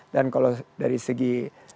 dan kalau dari segi